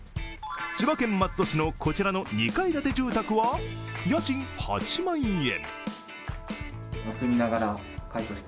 千葉県松戸市のこちらの２階建て住宅は家賃８万円。